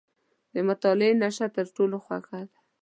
• د مطالعې نیشه تر ټولو خوږه ده.